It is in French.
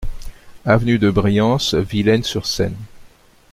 Avenue de Briens, Villennes-sur-Seine